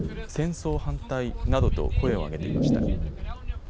戦争反対などと声を上げていました。